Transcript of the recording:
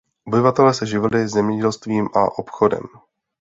Obyvatelé se živili zemědělstvím a obchodem.